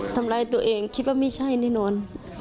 ทำร้ายตัวเองคิดว่าไม่ใช่แน่นอน